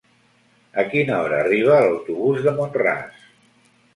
A quina hora arriba l'autobús de Mont-ras?